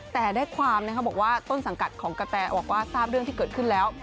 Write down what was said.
แต่ได้ความบอกว่าต้นสังกัดของกะแตบอกว่าทราบเรื่องที่เกิดขึ้นแล้ว